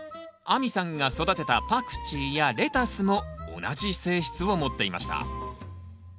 亜美さんが育てたパクチーやレタスも同じ性質を持っていました。